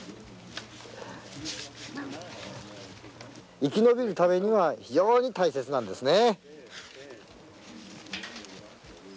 生き延びるためには非常に大切なんですね。